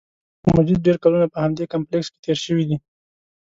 د شیخ مجید ډېر کلونه په همدې کمپلېکس کې تېر شوي دي.